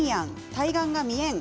対岸が見えん！